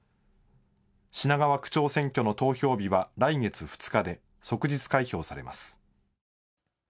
品川区長選挙の投票日は来月２日で即日開票されます。